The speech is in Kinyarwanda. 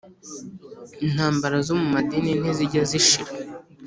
intambara zo mu madini ntizijya zishira